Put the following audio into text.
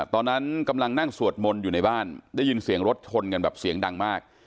ตอนนั้นกำลังนั่งสวดมนต์อยู่ในบ้านได้ยินเสียงรถชนกันแบบเสียงดังมาก